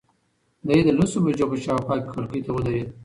دی د لسو بجو په شاوخوا کې کړکۍ ته ودرېد.